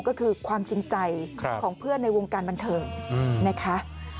ก็คือความจริงใจของเพื่อนในวงการบันเทิงนะคะ